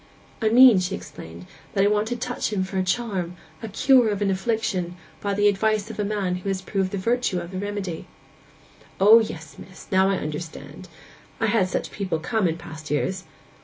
'I mean,' she explained, 'that I want to touch him for a charm, a cure of an affliction, by the advice of a man who has proved the virtue of the remedy.' 'O yes, miss! Now I understand. I've had such people come in past years.